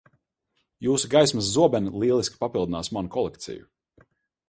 Jūsu gaismas zobeni lieliski papildinās manu kolekciju.